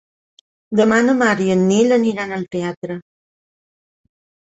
Demà na Mar i en Nil aniran al teatre.